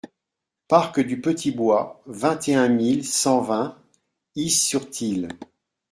Parc du Petit Bois, vingt et un mille cent vingt Is-sur-Tille